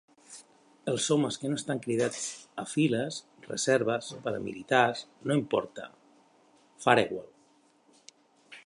Els homes que no estan cridats a files, reserves, paramilitars, no importa, Farewell.